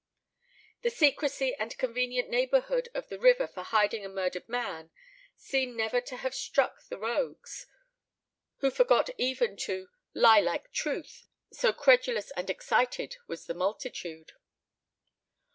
The secrecy and convenient neighbourhood of the river for hiding a murdered man seem never to have struck the rogues, who forgot even to "lie like truth," so credulous and excited was the multitude.